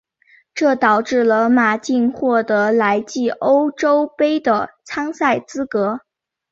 这导致了马竞获得来季欧洲杯的参赛资格。